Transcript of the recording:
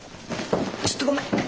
ちょっとごめん！